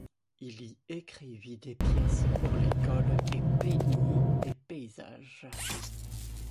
Il y écrivit des pièces pour l’école et peignit des paysages.